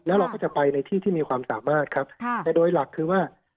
แล้วเราก็จะไปในที่ที่มีความสามารถครับแต่โดยหลักคือว่า